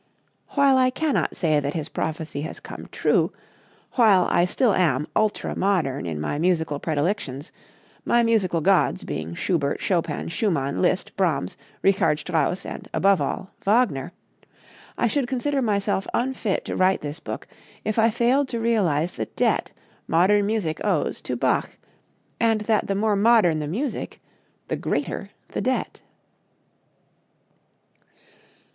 While I cannot say that his prophecy has come true, while I still am ultra modern in my musical predilections, my musical gods being Schubert, Chopin, Schumann, Liszt, Brahms, Richard Strauss and, above all, Wagner, I should consider myself unfit to write this book if I failed to realize the debt modern music owes to Bach, and that the more modern the music the greater the debt.